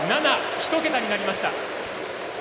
１桁になりました。